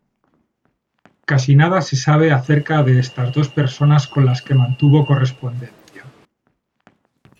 Casi nada se sabe acerca de estas dos personas con las que mantuvo correspondencia.